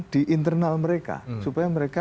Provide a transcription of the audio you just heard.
di internal mereka supaya mereka